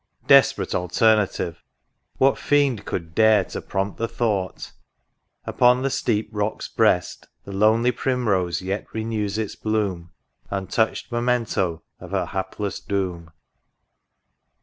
Desperate alternative ! what fiend could dare To prompt the thought ?— Upon the steep rock's breast The lonely Primrose yet renews its bloom, Untouched memento of her hapless doom